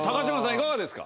いかがですか？